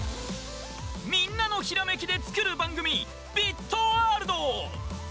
みんなのひらめきでつくるばんぐみ「ビットワールド」！